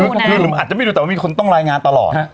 ก็อาจจะไปดูแต่คุณต้องรายงานตลอด